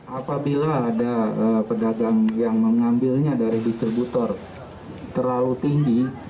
apabila ada pedagang yang mengambilnya dari distributor terlalu tinggi